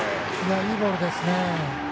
いいボールですね。